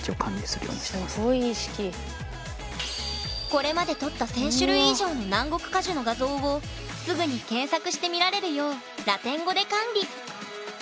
これまで撮った１，０００種類以上の南国果樹の画像をすぐに検索して見られるようラテン語で管理。